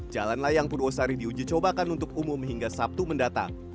jalan layang purwosari diujicobakan untuk umum hingga sabtu mendatang